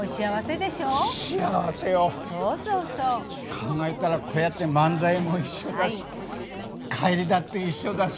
考えたらこうやって漫才も一緒だし帰りだって一緒だし。